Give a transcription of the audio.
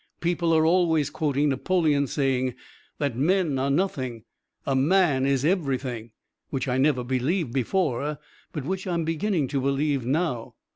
People are always quoting Napoleon's saying that men are nothing, a man is everything, which I never believed before, but which I'm beginning to believe now."